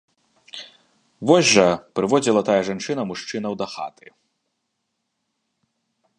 Вось жа, прыводзіла тая жанчына мужчынаў дахаты.